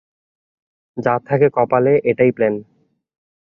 যা থাকে কপালে - এটাই প্ল্যান।